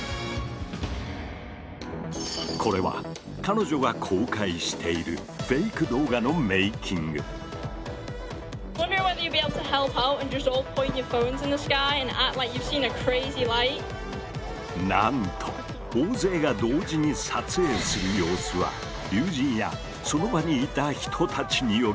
これは彼女が公開しているなんと大勢が同時に撮影する様子は友人やその場にいた人たちによるお芝居。